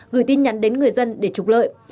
gửi tin nhắn đến người dân để trục lợi